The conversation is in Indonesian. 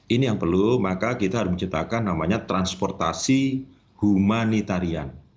ini yang perlu maka kita harus menciptakan namanya transportasi humanitarian